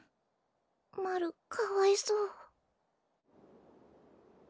マルかわいそう。